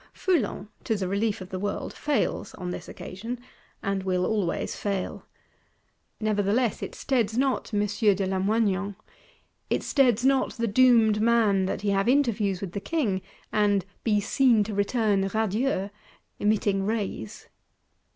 Foulon, to the relief of the world, fails on this occasion; and will always fail. Nevertheless it steads not M. de Lamoignon. It steads not the doomed man that he have interviews with the King; and be "seen to return radieux," emitting rays.